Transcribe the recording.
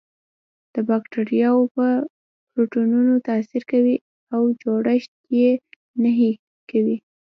د باکتریاوو په پروتینونو تاثیر کوي او جوړښت یې نهي کوي.